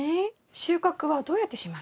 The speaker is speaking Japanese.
収穫はどうやってしましょうか？